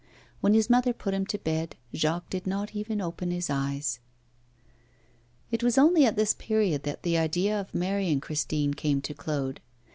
When his mother put him to bed Jacques did not even open his eyes. It was only at this period that the idea of marrying Christine came to Claude.